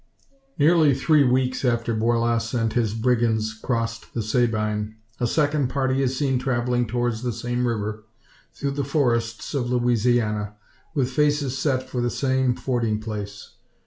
Nearly three weeks after Borlasse and his brigands crossed the Sabine, a second party is seen travelling towards the same river through the forests of Louisiana, with faces set for the same fording place.